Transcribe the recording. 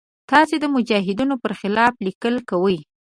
تاسې د مجاهدینو پر خلاف لیکل کوئ.